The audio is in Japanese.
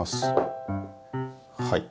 はい。